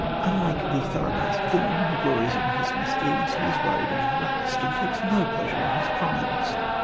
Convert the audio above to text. Unlike the thorough paced villain, who glories in his misdeeds, he is worried and harassed, and takes no pleasure in his crimes.